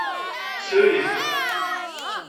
Tter-it.